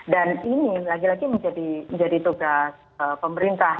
dan ini lagi lagi menjadi tugas pemerintah